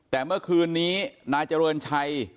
แต่เมื่อคืนนี้นายเจริญชัย